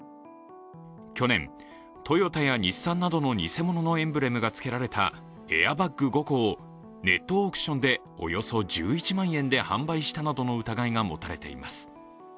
去年、トヨタや日産などの偽物のエンブレムがつけられたエアバッグ５個をネットオークションでおよそ１１万円で販売したなどの疑いが持たれています。